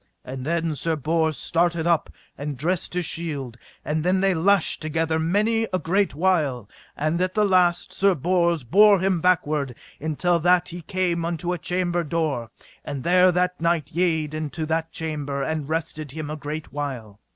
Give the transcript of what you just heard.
And then Sir Bors started up and dressed his shield; and then they lashed together mightily a great while; and at the last Sir Bors bare him backward until that he came unto a chamber door, and there that knight yede into that chamber and rested him a great while.